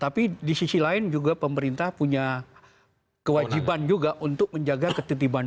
tapi di sisi lain juga pemerintah punya kewajiban juga untuk menjaga ketertiban